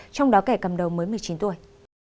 trong đó kẻ cầm đầu mới một mươi chín tuổi